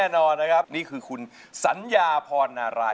นี่คือคุณสัญญาพรณราย